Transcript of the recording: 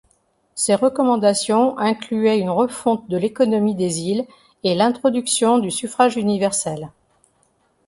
Ses recommandations incluaient une refonte de l'économie des îles et l'introduction du suffrage universel.